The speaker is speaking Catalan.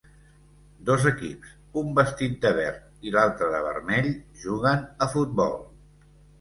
Dos equips, un vestit de verd i l'altre de vermell, juguen a futbol.